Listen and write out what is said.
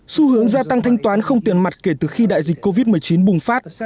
xu hướng gia tăng thanh toán không tiền mặt kể từ khi đại dịch covid một mươi chín bùng phát